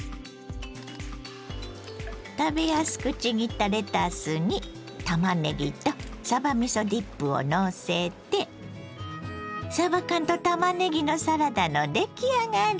食べやすくちぎったレタスにたまねぎとさばみそディップをのせてさば缶とたまねぎのサラダの出来上がり。